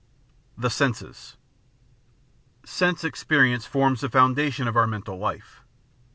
The Senses Sense experience forms the foundation of our mental life.